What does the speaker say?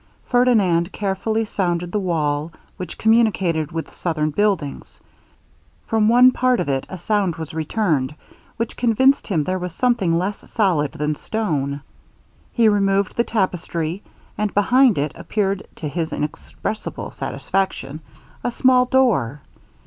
Ferdinand carefully sounded the wall which communicated with the southern buildings. From one part of it a sound was returned, which convinced him there was something less solid than stone. He removed the tapestry, and behind it appeared, to his inexpressible satisfaction, a small door.